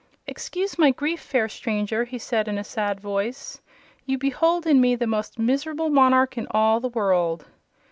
"Excuse my grief, fair stranger," he said, in a sad voice. "You behold in me the most miserable monarch in all the world.